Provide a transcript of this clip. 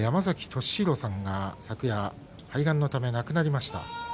敏廣さんが昨夜肺がんのため亡くなりました。